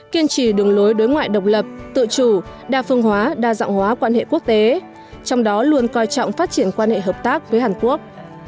kiên trì đường lối đối ngoại độc lập tự chủ đa phương hóa đa dạng hóa quan hệ quốc tế trong đó luôn coi trọng phát triển quan hệ hợp tác với hàn quốc